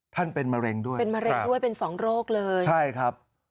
ท่านเป็นมะเร็งด้วยเป็น๒โรคเลยใช่ครับ